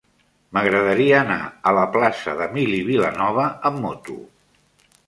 M'agradaria anar a la plaça d'Emili Vilanova amb moto.